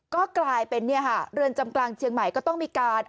ก็กลายเป็นเรือนจำกลางเชียงใหม่ก็ต้องมีการ